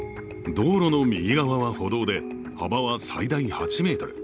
道路の右側は歩道で幅は最大８ｍ。